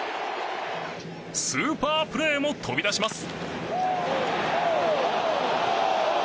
スーパープレーも飛び出します。